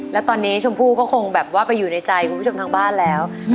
แล้วตอนนี้ชมพู่ก็คงแบบว่าไปอยู่ในใจคุณผู้ชมทางบ้านแล้ว